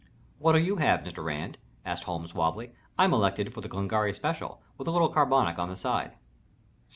"What'll you have, Mr. Rand?" asked Holmes, suavely. "I'm elected for the Glengarry special, with a little carbonic on the side."